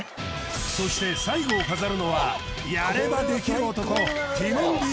そして最後を飾るのはやればできる男ティモンディ